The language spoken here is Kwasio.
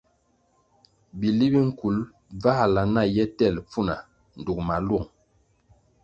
Bili bi nkul bvãhla na ye tel pfuna dug maluong.